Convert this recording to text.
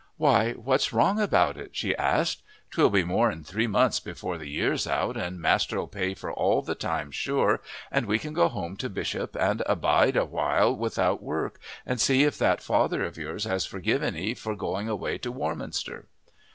"Why, what's wrong about it?" she asked. "'Twill be more 'n three months before the year's out, and master'll pay for all the time sure, and we can go home to Bishop and bide a little without work, and see if that father of yours has forgiven 'ee for going away to Warminster."